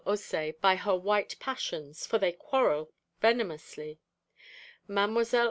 Haussé by her white passions, for they quarrel venomously; Mlle.